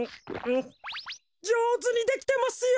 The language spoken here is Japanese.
じょうずにできてますよ！